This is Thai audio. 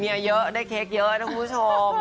เมียเยอะได้เค้กเยอะทุกผู้ชม